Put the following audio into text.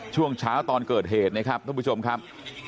ช่วงเช้าตอนเกิดเหตุนะครับท่านผู้ชมครับ